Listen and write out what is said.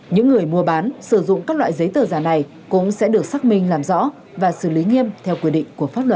những người mua bán sử dụng các loại giấy tờ giả này cũng sẽ được xác minh làm rõ và xử lý nghiêm theo quy định của pháp luật